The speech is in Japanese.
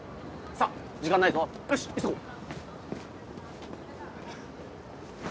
さっ時間ないぞよし急ごう！